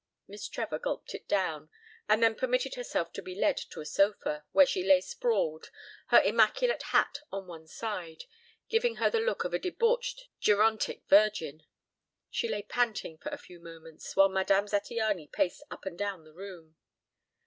Miss Trevor gulped it down, and then permitted herself to be led to a sofa, where she lay sprawled, her immaculate hat on one side, giving her the look of a debauched gerontic virgin. She lay panting for a few moments, while Madame Zattiany paced up and down the room.